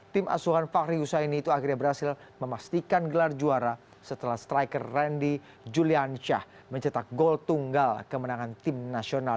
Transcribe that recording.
tim asuhan fahri husaini itu akhirnya berhasil memastikan gelar juara setelah striker randy juliansyah mencetak gol tunggal kemenangan tim nasional